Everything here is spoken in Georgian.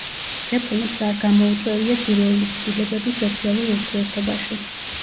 რეფორმებს არ გამოუწვევია ძირეული ცვლილებები სოციალურ ურთიერთობაში.